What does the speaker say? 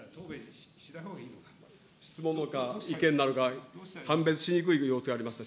質問なのか、意見なのか、判別しにくい様子がありました。